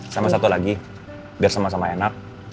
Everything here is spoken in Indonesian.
sama satu lagi biar sama sama enak